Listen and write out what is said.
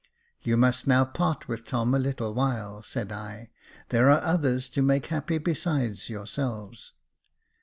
*' You must now part with Tom a little while," said I ;" there are others to make happy besides yourselves."